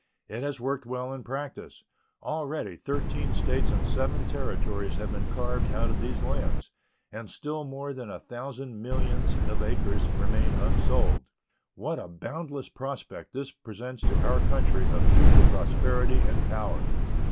It has worked well in practice. Already thirteen States and seven Territories have been carved out of these lands, and still more than a thousand millions of acres remain unsold. What a boundless prospect this presents to our country of future prosperity and power!